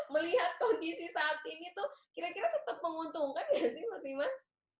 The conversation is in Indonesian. melihat kondisi saat ini tuh kira kira tetap menguntungkan gak sih mas iman